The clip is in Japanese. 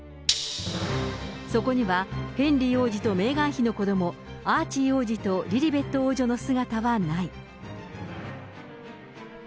そこにはヘンリー王子とメーガン妃の子ども、アーチー王子とリリベット王女の姿はない。